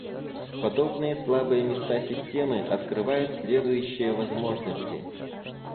Подобные слабые места системы открывают следующие возможности